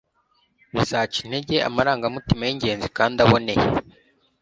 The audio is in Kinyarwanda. bizaca intege amarangamutima y'ingenzi kandi aboneye